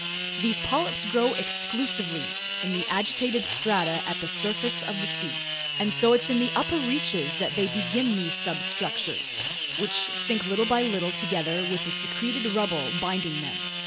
These polyps grow exclusively in the agitated strata at the surface of the sea, and so it's in the upper reaches that they begin these substructures, which sink little by little together with the secreted rubble binding them.